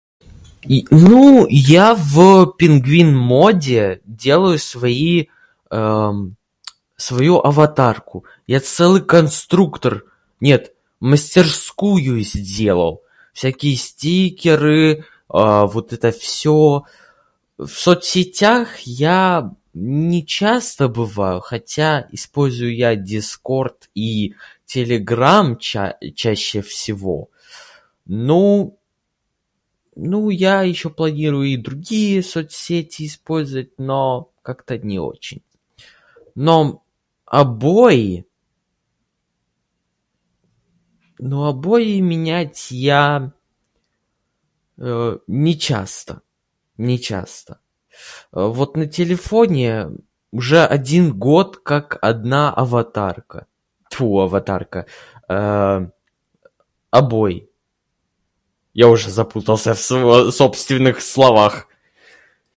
И, [disfluency|ну-у-у], я в пингвин-моде делаю свои, [disfluency|эм-м], свою аватарку. Я целый конструктор, нет, мастерскую сделал! Всякие стикеры, [disfluency|а], вот это всё. В соцсетях я н-нечасто бываю, хотя использую я Дискорд и Телеграм ча-чаще всего. [disfluency|Ну-у]... Ну, я ещё планирую и другие соцсети использовать, но как-то не очень. Но обои... но обои менять я, [disfluency|э], не часто, не часто. В- вот на телефоне уже один год как одна аватарка... Тьфу, аватарка! [disfluency|Эм], обои, я уже запутался в св- собственных словах